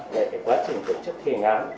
để phải quay lại